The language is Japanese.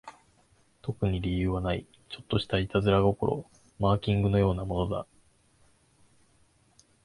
特に理由はない、ちょっとした悪戯心、マーキングのようなものだ